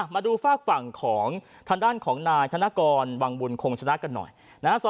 มาดูฝากฝั่งของทางด้านของนายธนกรวังบุญคงชนะกันหน่อยนะฮะ